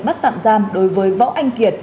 bắt tạm giam đối với võ anh kiệt